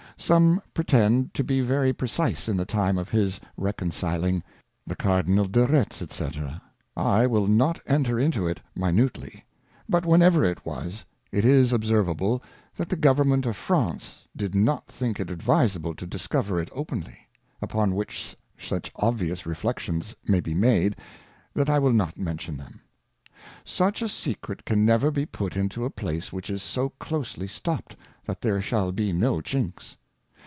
Some pretend to be very precise in the time of his Recon ciling; The Cardinal de Retz, S^c. I will not enter into it minutely, but whenever it was, it is observable that the Govern ment of Prance did not think it adviseable to discover it openly ; upon which such obvious Reflections may be made, that I will not mention them. Such a Secret can never be put into a place which is so closely stopt, that there shall be no Chinks.